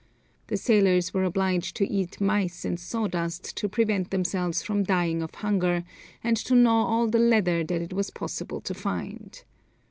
The sailors were obliged to eat mice and sawdust to prevent themselves from dying of hunger, and to gnaw all the leather that it was possible to find.